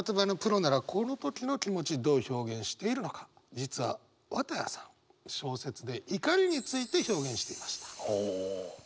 実は綿矢さん小説で怒りについて表現していました。